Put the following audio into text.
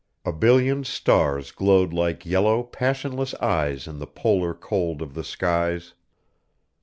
A billion stars glowed like yellow, passionless eyes in the polar cold of the skies.